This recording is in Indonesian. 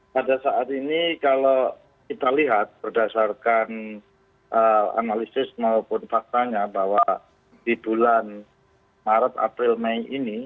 pada saat ini kalau kita lihat berdasarkan analisis maupun faktanya bahwa di bulan maret april mei ini